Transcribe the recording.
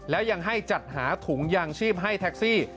แล้วยังให้จัดหาถุงยางชีพให้แท็กซี่